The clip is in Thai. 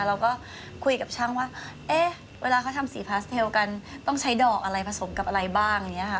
เราก็คุยกับช่างว่าเอ๊ะเวลาเขาทำสีพาสเทลกันต้องใช้ดอกอะไรผสมกับอะไรบ้างอย่างนี้ค่ะ